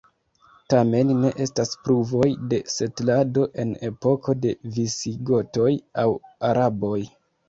Tamen ne estas pruvoj de setlado en epoko de visigotoj aŭ araboj.